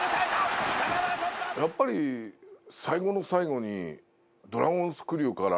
やっぱり最後の最後に。